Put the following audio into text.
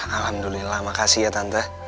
alhamdulillah makasih ya tante